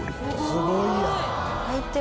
すごいやん！